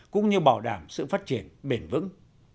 cũng như bảo đảm sự phát triển bền vững